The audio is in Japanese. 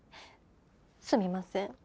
すみません。